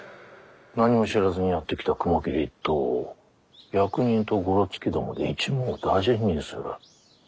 何も知らずにやって来た雲霧一党を役人とゴロツキどもで一網打尽にする。